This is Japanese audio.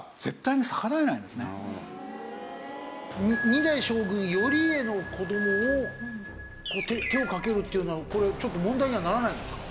二代将軍頼家の子供を手をかけるっていうのはちょっと問題にはならないんですか？